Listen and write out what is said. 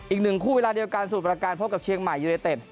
อีกหนึ่งคู่เวลาเดียวกันสมุทรประการพบกับเชียงใหม่ยูเนเต็ด